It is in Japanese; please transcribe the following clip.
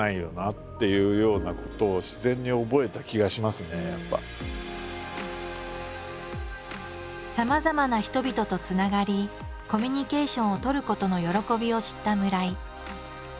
それからまあやっぱりさまざまな人々とつながりコミュニケーションを取ることの喜びを知った村井。